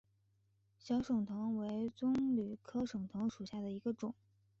小省藤为棕榈科省藤属下的一个种。